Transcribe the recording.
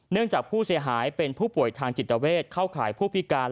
จากผู้เสียหายเป็นผู้ป่วยทางจิตเวทเข้าข่ายผู้พิการ